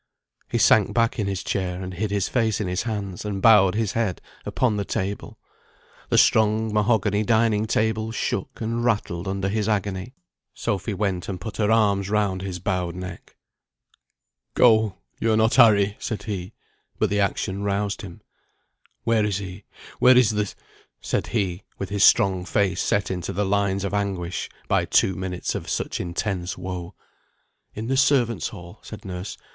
He sank back in his chair, and hid his face in his hands, and bowed his head upon the table. The strong mahogany dining table shook and rattled under his agony. Sophy went and put her arms round his bowed neck. "Go! you are not Harry," said he; but the action roused him. "Where is he? where is the " said he, with his strong face set into the lines of anguish, by two minutes of such intense woe. "In the servants' hall," said nurse.